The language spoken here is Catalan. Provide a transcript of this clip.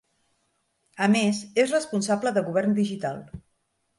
A més, és responsable de Govern Digital.